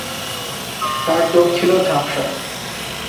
তার চোখ ছিল ঝাপসা।